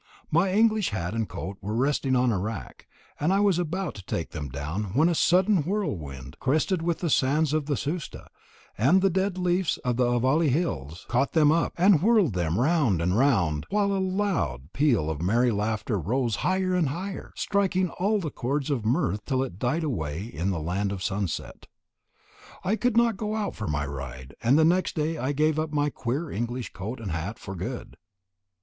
My English hat and coat were resting on a rack, and I was about to take them down when a sudden whirlwind, crested with the sands of the Susta and the dead leaves of the Avalli hills, caught them up, and whirled them round and round, while a loud peal of merry laughter rose higher and higher, striking all the chords of mirth till it died away in the land of sunset. I could not go out for my ride, and the next day I gave up my queer English coat and hat for good.